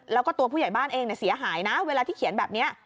แล้วก็ตัวผู้ใหญ่บ้านเองเสียหายนะเวลาที่เขียนแบบนี้